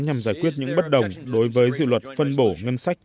nhằm giải quyết những bất đồng đối với dự luật phân bổ ngân sách